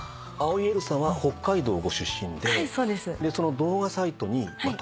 藍井エイルさんは北海道ご出身でその動画サイトに投稿したと。